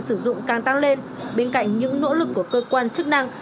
số lượng hạn sử dụng càng tăng lên bên cạnh những nỗ lực của cơ quan chức năng